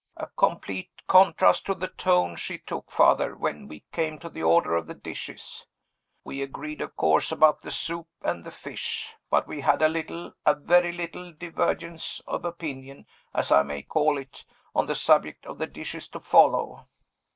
A complete contrast to the tone she took, Father, when we came to the order of the dishes. We agreed, of course, about the soup and the fish; but we had a little, a very little, divergence of opinion, as I may call it, on the subject of the dishes to follow.